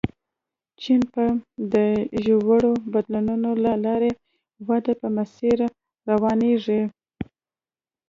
چین به د ژورو بدلونونو له لارې ودې په مسیر روانېږي.